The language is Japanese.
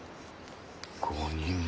５人も。